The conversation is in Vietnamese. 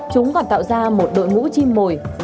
chúng còn tạo ra một đội ngũ chim mồi gọi là hitoption